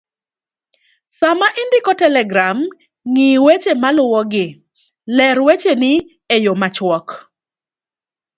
Sama indiko telegram, ng'i weche maluwogi:ler wecheni e yo machuok